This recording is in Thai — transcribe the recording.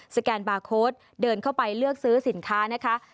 แกนบาร์โค้ดเดินเข้าไปเลือกซื้อสินค้านะคะ